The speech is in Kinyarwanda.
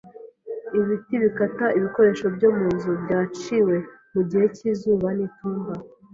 Ibiti bikata ibikoresho byo mu nzu byaciwe mu gihe cyizuba n'itumba,